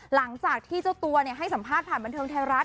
หลังจากที่เจ้าตัวให้สัมภาษณ์ผ่านบันเทิงไทยรัฐ